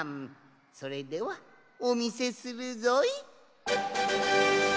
それではおみせするぞい！